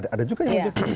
ada juga yang mencuri